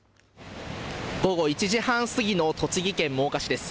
午後１時半過ぎの栃木県真岡市です。